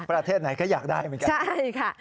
ประเทศไหนก็อยากได้เหมือนกันใช่ค่ะ